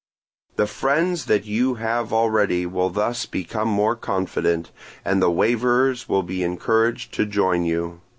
The friends that you have already will thus become more confident, and the waverers will be encouraged to join you.